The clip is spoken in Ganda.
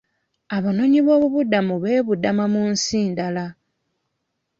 Abanoonyiboobubudamu beebudama mu nsi ndala.